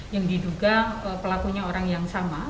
yang diduga pelakunya orang yang sama